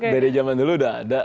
dari zaman dulu udah ada